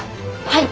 はい。